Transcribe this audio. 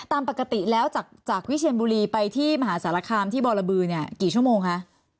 ตามปกติแล้วจากวิเชียนบุรีไปที่มหาสารคามที่บรบือเนี่ยกี่ชั่วโมงคะ